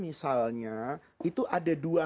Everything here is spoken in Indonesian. misalnya itu ada dua